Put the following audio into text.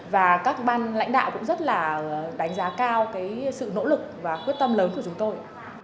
và các ban lãnh đạo cũng rất là đánh giá cao cái sự nỗ lực và quyết tâm lớn của chúng tôi